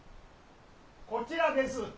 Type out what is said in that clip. ・こちらです。